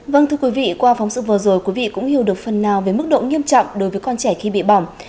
vâng thưa quý vị qua phóng sự vừa rồi quý vị cũng hiểu được phần nào về mức độ nghiêm trọng đối với con trẻ khi bị bỏng